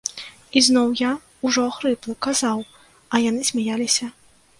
І зноў я, ужо ахрыплы, казаў, а яны смяяліся.